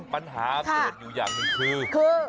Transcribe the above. ปัญหาเกิดอยู่อย่างหนึ่งคือ